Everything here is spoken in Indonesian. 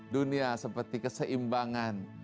dunia seperti keseimbangan